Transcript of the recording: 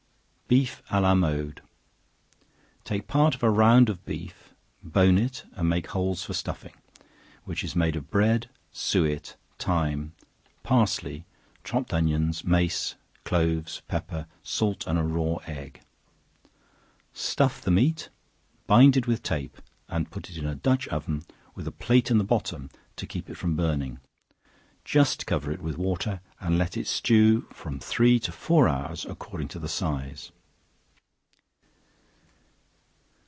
Beef A la mode. Take part of a round of beef, bone it, and make holes for stuffing, which is made of bread, suet, thyme, parsley, chopped onions, mace, cloves, pepper, salt and a raw egg; stuff the meat, bind it with tape, and put it in a dutch oven, with a plate in the bottom to keep it from burning; just cover it with water, and let it stew from three to four hours according to the size.